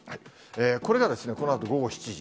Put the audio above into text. これがこのあと午後７時。